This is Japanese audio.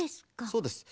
そうです。